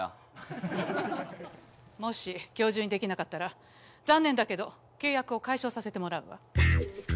もし今日中に出来なかったら残念だけど契約を解消させてもらうわ。